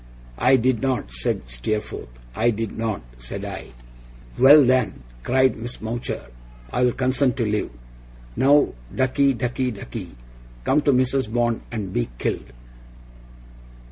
'I did not,' said Steerforth. 'I did not,' said I. 'Well then,' cried Miss Mowcher, 'I'll consent to live. Now, ducky, ducky, ducky, come to Mrs. Bond and be killed.